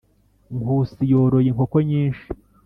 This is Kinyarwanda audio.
nkusi yoroye inkoko nyinshi